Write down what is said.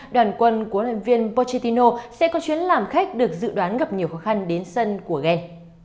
đoàn quân của huấn luyện viên pochitino sẽ có chuyến làm khách được dự đoán gặp nhiều khó khăn đến sân của gen